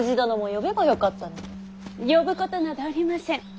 呼ぶことなどありません。